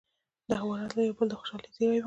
دهوا راتلل يو بل د خوشالۍ زېرے وو